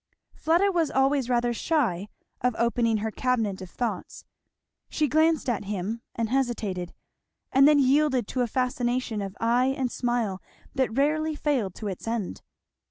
Fleda was always rather shy of opening her cabinet of thoughts. She glanced at him, and hesitated, and then yielded to a fascination of eye and smile that rarely failed of its end.